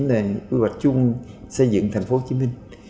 thành phố điều chỉnh là quy hoạch chung xây dựng thành phố hồ chí minh